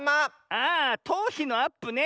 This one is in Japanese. あとうひのアップね。